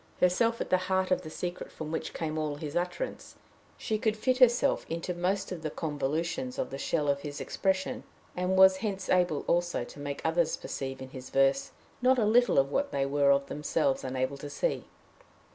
Herself at the heart of the secret from which came all his utterance, she could fit herself into most of the convolutions of the shell of his expression, and was hence able also to make others perceive in his verse not a little of what they were of themselves unable to see.